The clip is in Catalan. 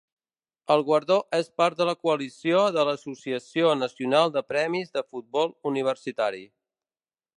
El guardó és part de la coalició de l'Associació Nacional de Premis de Futbol Universitari.